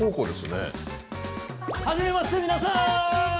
はじめまして皆さん！